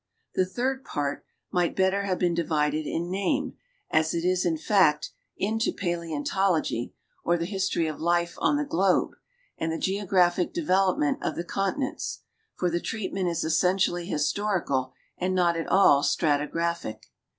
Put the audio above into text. The third " part" might better have been divided in name, as it is in fact, into paleontology, or the history of life on the globe, and the geographic development of the continents ; for the treatment is essen tially historical and not at all stratigraphic.